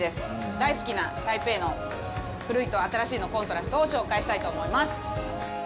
大好きな台北の古いと新しいのコントラストを紹介したいと思います！